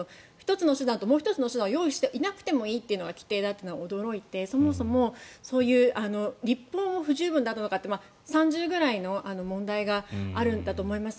１つの手段と、もう１つの手段を用意しなくてもいいというのが規定であったのが驚いてそもそもそういう立法も不十分だったのかなと三重ぐらいの問題があるんだと思います。